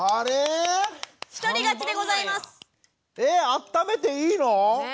あっためていいの？